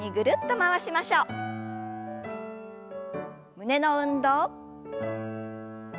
胸の運動。